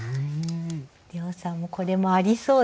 涼さんこれもありそうですよね？